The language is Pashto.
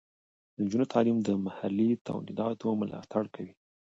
د نجونو تعلیم د محلي تولیداتو ملاتړ کوي.